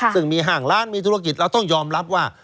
ซึ่งมีห้างร้านมีธุรกิจเราต้องยอมรับว่า